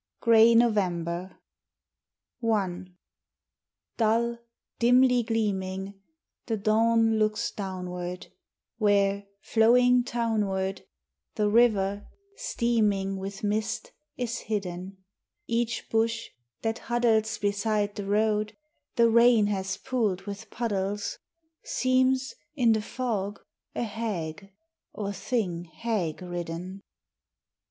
GRAY NOVEMBER I Dull, dimly gleaming, The dawn looks downward Where, flowing townward, The river, steaming With mist, is hidden: Each bush, that huddles Beside the road, the rain has pooled with puddles, Seems, in the fog, a hag or thing hag ridden.